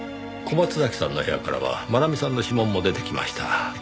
小松崎さんの部屋からは真奈美さんの指紋も出てきました。